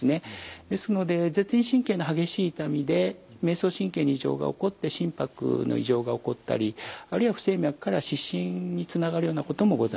ですので舌咽神経の激しい痛みで迷走神経に異常が起こって心拍の異常が起こったりあるいは不整脈から失神につながるようなこともございます。